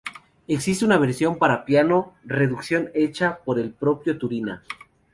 Existe una versión para piano, reducción hecha por el propio Turina.